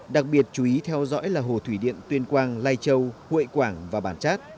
đặc biệt chú ý theo dõi là hồ thủy điện tuyên quang lai châu hội quảng và bản chát